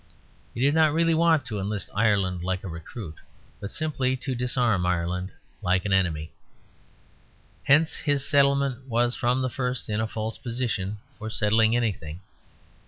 He did not really want to enlist Ireland like a recruit, but simply to disarm Ireland like an enemy. Hence his settlement was from the first in a false position for settling anything.